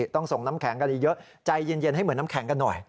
ต้องส่งน้ำแข็งกันเยอะใจเย็นให้เหมือนน้ำแข็งกันหน่อย